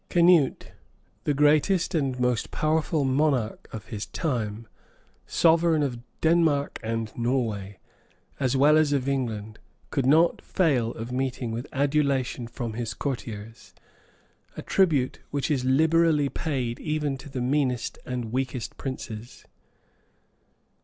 Canute, the greatest and most powerful monarch of his time, sovereign of Denmark and Norway, as well as of England, could not fail of meeting with adulation from his courtiers; a tribute which is liberally paid even to the meanest and weakest princes.